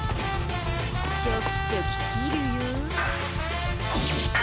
チョキチョキきるよ。